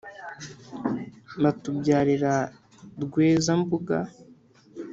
Batubyarira Rweza-mbuga,